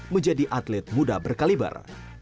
menjadi atlet muda berkaliber